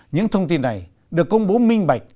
những thông tin này được công bố minh bạch